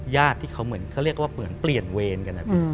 ญาติที่เขาเหมือนเขาเรียกว่าเปลี่ยนเวรกัน